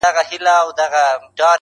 o د زور ياري، د خره سپارکي ده٫